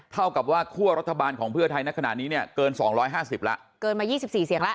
เท่ากับว่าคั่วรัฐบาลของเพื่อไทยในขณะนี้เนี่ยเกิน๒๕๐แล้วเกินมา๒๔เสียงแล้ว